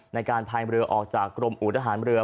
ในการไพลเมอร์เตอร์มานออกจากกรมอุทหารเมอร์